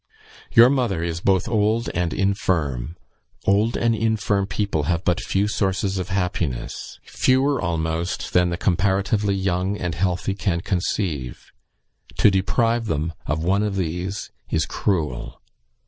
Your mother is both old and infirm; old and infirm people have but few sources of happiness fewer almost than the comparatively young and healthy can conceive; to deprive them of one of these is cruel.